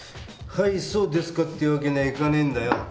「はいそうですか」っていうわけにはいかねえんだよ。